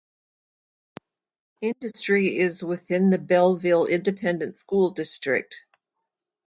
Industry is within the Bellville Independent School District.